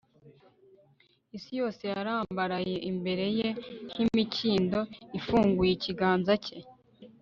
Isi yose yarambaraye imbere ye nkimikindo ifunguye ikiganza cye